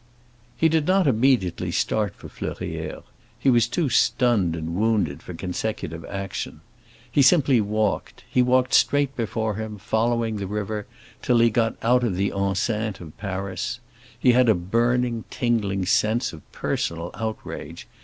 He did not immediately start for Fleurières; he was too stunned and wounded for consecutive action. He simply walked; he walked straight before him, following the river, till he got out of the enceinte of Paris. He had a burning, tingling sense of personal outrage.